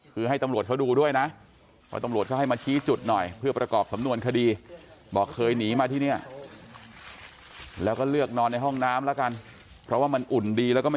คือให้ตำรวจเขาดูด้วยนะประกอบจากโทรศพดี